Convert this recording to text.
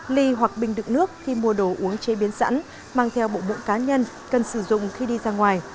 ly hoặc bình đựng nước khi mua đồ uống chế biến sẵn mang theo bộ bụng cá nhân cần sử dụng khi đi ra ngoài